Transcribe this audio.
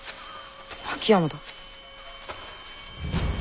秋山だ。